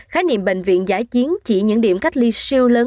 khái niệm bệnh viện giã chiến chỉ những điểm cách ly siêu lớn